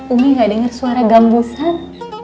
umi gak dengar suara gambusan